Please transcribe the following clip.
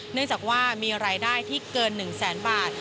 เนื่องจากว่ามีรายได้ที่เกิน๑แสนบาท